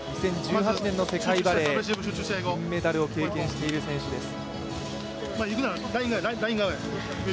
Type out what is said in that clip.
２０１８年の世界バレー銀メダルを経験している選手です。